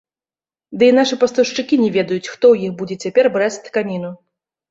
Ды і нашы пастаўшчыкі не ведаюць, хто ў іх будзе цяпер браць тканіну.